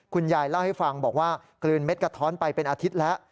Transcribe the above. คุณยายเล่าให้ฟังบอกว่ากลืนเม็ดกระท้อนไปเป็นอาทิตย์แล้ว